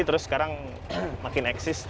terus sekarang makin eksis